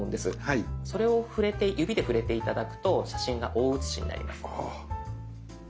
それを指で触れて頂くと写真が大写しになります。